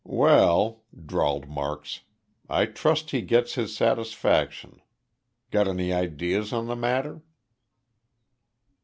"Well," drawled Marks, "I trust he gets his satisfaction. Got any ideas on the matter?"